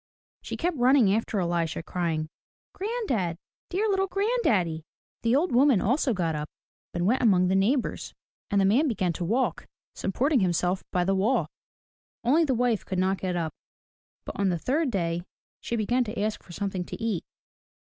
She kept running after Elisha crying, Granddad, dear little granddaddy!" The old woman also got up and went among the neighbors, and the man began to walk, supporting himself by the wall. Only the wife could not get up. But on the third day she began to ask for something to eat.